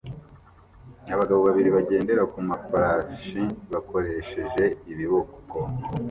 Abagabo babiri bagendera ku mafarashi bakoresheje ibiboko